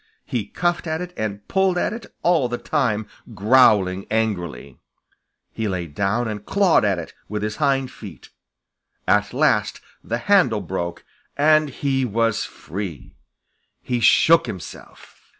He cuffed at it and pulled at it, all the time growling angrily. He lay down and clawed at it with his hind feet. At last the handle broke, and he was free! He shook himself.